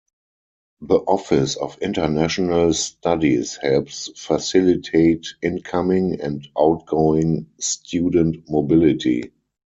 The Office of International Studies helps facilitate incoming and outgoing student mobility.